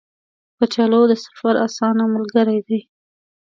کچالو د سفر اسانه ملګری دی